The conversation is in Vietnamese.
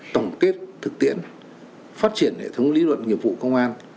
tổng kết thực tiễn phát triển hệ thống lý luận nghiệp vụ công an